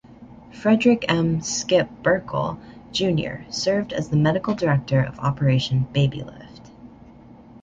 Frederick M. "Skip" Burkle, Junior served as the medical director of Operation Babylift.